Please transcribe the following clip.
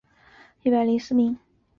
殿试登进士第三甲第一百零四名。